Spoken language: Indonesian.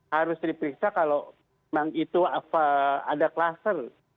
harus diperiksa kalau memang itu ada kluster